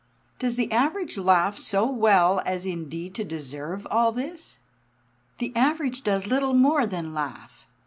Does the Average laugh so well as indeed to deserve all this? The Average does little more than laugh.